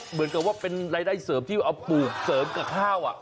เหมือนกับว่าเป็นรายได้เสริมที่เอาปลูกเสริมกับข้าว